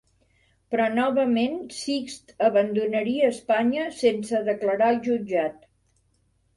Però novament Sixt abandonaria Espanya sense declarar al jutjat.